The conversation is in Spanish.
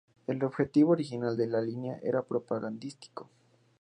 El objetivo original de la línea era propagandístico.